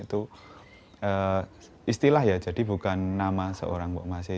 itu istilah ya jadi bukan nama seorang bokmase itu